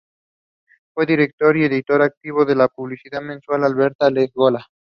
Fue director y editor activo de la publicación mensual Alfabeta y La Gola.